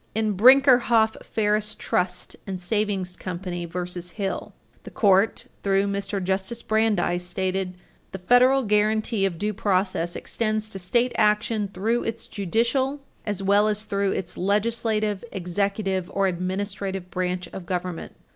In Brinkerhoff Faris Trust & Savings Co. v. Hill, 281 U. S. 673, 281 U. S. 680 (1930), the Court, through Mr. Justice Brandeis, stated: "The federal guaranty of due process extends to state action through its judicial as well as through its legislative, executive or administrative branch of government."